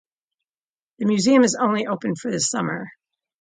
The museum is open only in the summer.